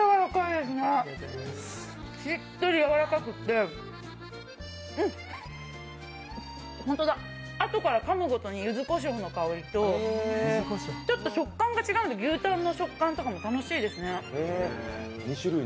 しっとりやわらかくて、あとからゆずこしょうの香りとちょっと食感が違う、牛タンの食感も楽しいですね。